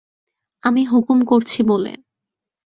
আমি হুকুম করছি বলে।